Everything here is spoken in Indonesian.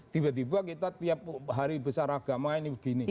tiba tiba kita tiap hari besar agama ini begini